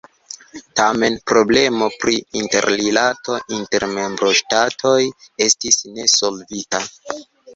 Tamen problemo pri interrilato inter membroŝtatoj estis ne solvita.